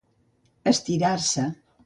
Estirar-se